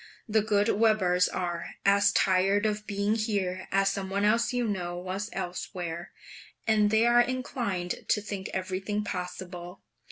The good Webers are as tired of being here as some one else you know was elsewhere; and they are inclined to think everything possible.